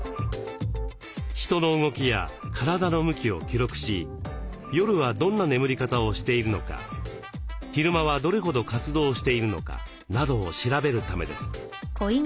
人の動きや体の向きを記録し夜はどんな眠り方をしているのか昼間はどれほど活動しているのかなどを調べるためです。